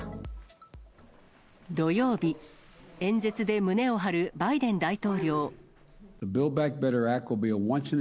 土曜日、演説で胸を張るバイデン大統領。